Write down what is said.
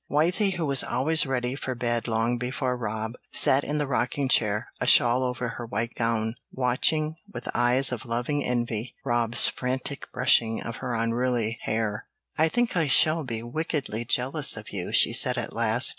Wythie, who was always ready for bed long before Rob, sat in the rocking chair, a shawl over her white gown, watching, with eyes of loving envy, Rob's frantic brushing of her unruly hair. "I think I shall be wickedly jealous of you," she said at last.